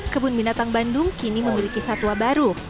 kebun binatang bandung kini memiliki satwa baru